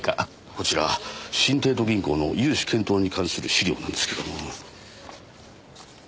こちら新帝都銀行の融資検討に関する資料なんですけども。